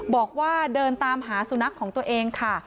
บอกว่าเดินตามหาสุนัขของตัวเองค่ะ